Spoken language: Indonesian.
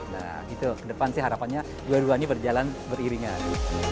nah itu ke depan sih harapannya dua duanya berjalan beriringan